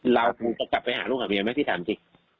เราก็จับไปหาลูกความเยอะไหมพี่ถามสิ